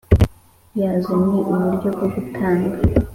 yazo Ni uburyo bwo gutanga